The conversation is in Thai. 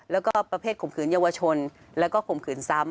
แล้วก็ประเภทข่มขืนเยาวชนแล้วก็ข่มขืนซ้ำ